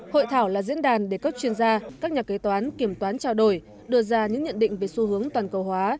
hội thảo là diễn đàn để các chuyên gia các nhà kế toán kiểm toán trao đổi đưa ra những nhận định về xu hướng toàn cầu hóa